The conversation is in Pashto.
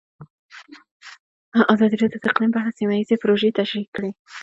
ازادي راډیو د اقلیم په اړه سیمه ییزې پروژې تشریح کړې.